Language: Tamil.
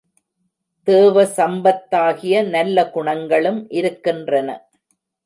தேவ சம்பத்தாகிய நல்ல குணங்களும் இருக்கின்றன.